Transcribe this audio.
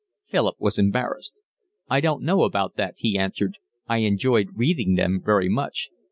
Philip was embarrassed. "I don't know about that," he answered. "I enjoyed reading them very much."